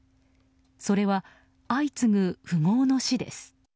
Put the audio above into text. それは、相次ぐ富豪の死です。